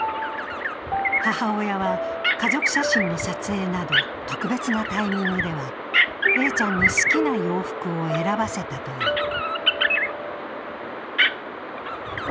母親は、家族写真の撮影など特別なタイミングではＡちゃんに好きな洋服を選ばせたという。